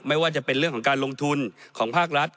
ไม่ว่าจะเป็นเรื่องของการลงทุนของภาครัฐ